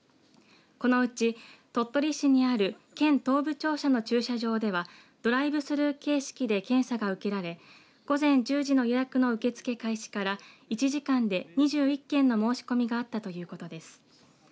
このうち、鳥取市にある県東部庁舎の駐車場ではドライブスルー形式で検査が受けられ午前１０時の予約の受け付け開始から１時間で２１件の申し込みがあったということです。